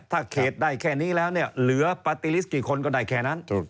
ถ้าเขตได้แค่นี้แล้วเนี่ยเหลือปาร์ตี้ลิสต์กี่คนก็ได้แค่นั้น